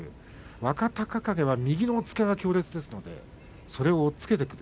若隆景は右の押っつけが強烈ですのでそれを押っつけてくる。